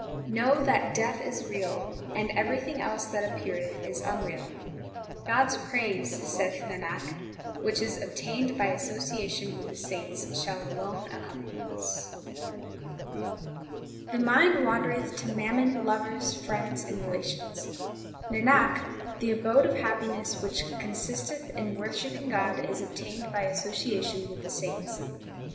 3 Know that death is real, and everything else that ap peareth is unreal. God s praise, saith Nanak, which is obtained by association with the saints shall alone accompany us. 4 The mind wandereth to mammon, lovers, friends, and relations. Nanak, the abode of happiness which consisteth in wor shipping God is obtained by association with the saints.